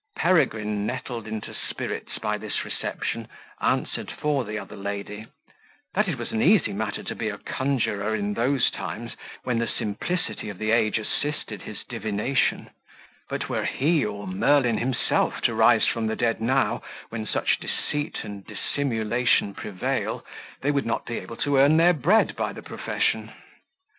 Peregrine, nettled into spirits by this reception, answered for the other lady, "that it was an easy matter to be a conjurer in those times, when the simplicity of the age assisted his divination; but were he, or Merlin himself, to rise from the dead now, when such deceit and dissimulation prevail, they would not be able to earn their bread by the profession."